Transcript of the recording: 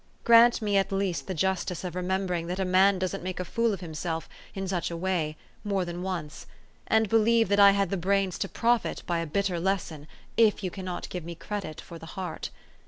Grant me at least the justice of re THE STORY OF AVIS. 409 membering that a man doesn't make a fool of him self in such a way more than once ; and believe that I had the brains to profit by a bitter lesson, if you cannot give me credit for the heart.